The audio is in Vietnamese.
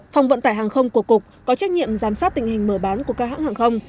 phòng vận tải hàng không của cục có trách nhiệm giám sát tình hình mở bán của các hãng hàng không